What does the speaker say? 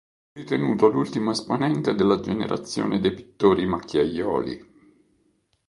Ritenuto l'ultimo esponente della generazione dei pittori macchiaioli.